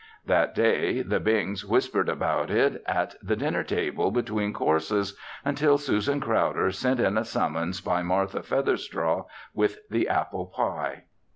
That day, the Bings whispered about it at the dinner table between courses until Susan Crowder sent in a summons by Martha Featherstraw with the apple pie.